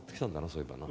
そういえばな。